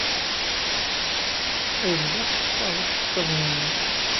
Ur lliɣ ssexṣareɣ iceḍḍiḍen-inu.